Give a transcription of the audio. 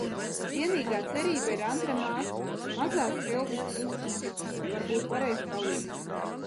Vienīgā cerība ir Andra māsa, mazās Helgas krustmāte, varbūt varēs palīdzēt?